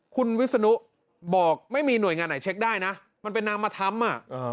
คุณวิศนุบอกไม่มีหน่วยงานไหนเช็คได้นะมันเป็นนามธรรม